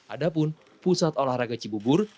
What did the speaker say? ada pun pusat olahraga cibubur